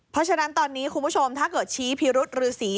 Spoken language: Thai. เพราะฉะนั้นตอนนี้คุณผู้ชมถ้าเกิดชี้พิรุษฤษี